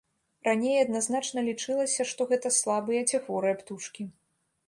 Раней адназначна лічылася, што гэта слабыя ці хворыя птушкі.